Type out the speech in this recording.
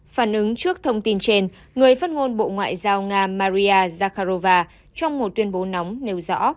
phản ứng trước thông tin trên người phát ngôn bộ ngoại giao nga maria zakharova trong một tuyên bố nóng nêu rõ